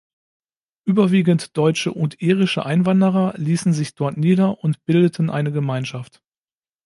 Überwiegend deutsche und irische Einwanderer ließen sich dort nieder und bildeten eine Gemeinschaft.